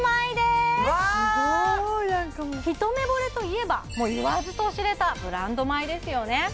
すごいなんかもうひとめぼれといえば言わずと知れたブランド米ですよね